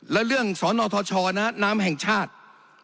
และเรื่องสนทชน้ำแห่งชาติ